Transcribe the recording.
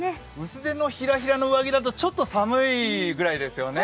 薄手のヒラヒラの上着だとちょっと寒いぐらいですよね。